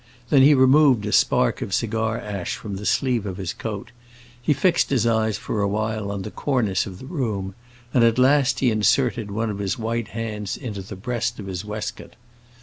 Then he removed a spark of cigar ash from the sleeve of his coat; he fixed his eyes for a while on the cornice of the room, and at last he inserted one of his white hands into the breast of his waistcoat.